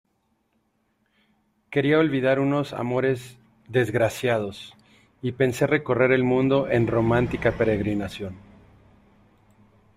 quería olvidar unos amores desgraciados, y pensé recorrer el mundo en romántica peregrinación.